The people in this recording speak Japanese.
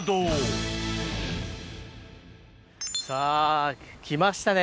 さぁ来ましたね